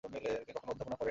তিনি কখনও অধ্যাপনা করেনি।